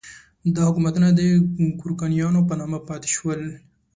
دا حکومتونه د ګورکانیانو په نامه پاتې شول.